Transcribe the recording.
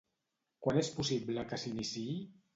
Quan és possible que s'iniciï?